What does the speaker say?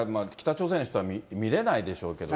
北朝鮮の人は見れないでしょうけれども。